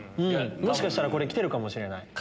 もしかしたらこれ来てるかもしれない。